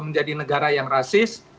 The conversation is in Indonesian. menjadi negara yang rasis